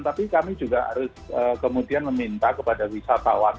tapi kami juga harus kemudian meminta kepada wisatawan